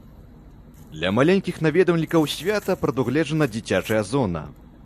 Для маленькіх наведвальнікаў свята прадугледжана дзіцячая зона.